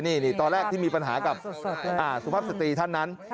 นี่ตอนแรกที่มีปัญหากับสุภาพสตรีท่านนั้น